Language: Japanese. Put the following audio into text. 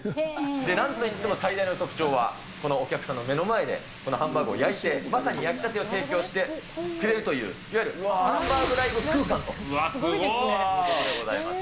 なんといっても最大の特徴は、このお客さんの目の前でこのハンバーグを焼いて、まさに焼きたてを提供してくれるという、いわゆるハンバーグライブ空間ということでございます。